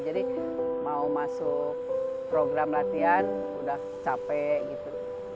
jadi mau masuk program latihan udah capek gitu